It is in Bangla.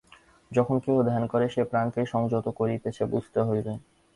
যখন কেহ ধ্যান করে, সে প্রাণকেই সংযত করিতেছে, বুঝিতে হইবে।